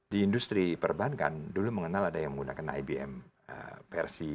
di industri perbankan dulu mengenal ada yang menggunakan ibm versi